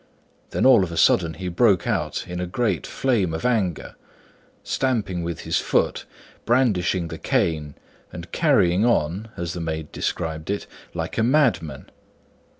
And then all of a sudden he broke out in a great flame of anger, stamping with his foot, brandishing the cane, and carrying on (as the maid described it) like a madman.